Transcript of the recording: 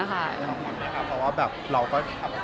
ขอบคุณนะครับเพราะว่าแบบเราก็